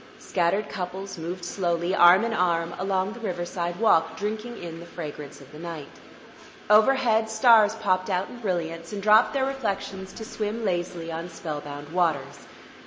Scattered couples moved slowly, arm in arm, along the riverside walk, drinking in the fragrance of the night. Overhead stars popped out in brilliance and dropped their reflections to swim lazily on spellbound waters....